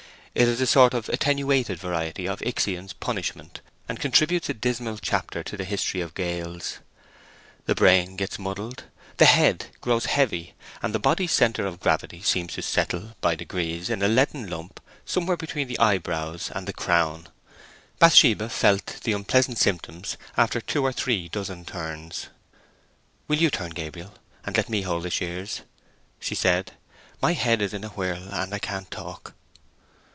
It is a sort of attenuated variety of Ixion's punishment, and contributes a dismal chapter to the history of gaols. The brain gets muddled, the head grows heavy, and the body's centre of gravity seems to settle by degrees in a leaden lump somewhere between the eyebrows and the crown. Bathsheba felt the unpleasant symptoms after two or three dozen turns. "Will you turn, Gabriel, and let me hold the shears?" she said. "My head is in a whirl, and I can't talk."